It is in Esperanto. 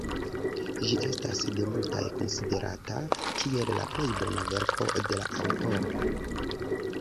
Ĝi estas de multaj konsiderata kiel la plej bona verko de la aŭtoro.